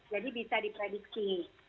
jadi bisa diprediksi